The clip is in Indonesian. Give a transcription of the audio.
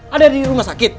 ada di rumah sakit